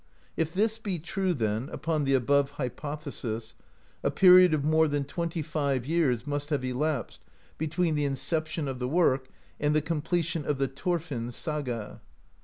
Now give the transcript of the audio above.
If this be true, then, upon the above hypothesis, a period of more than twenty five years must have elapsed between the incep tion of the work and the completion of the "Thorfinn's Saga."